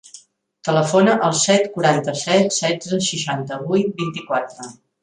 Telefona al set, quaranta-set, setze, seixanta-vuit, vint-i-quatre.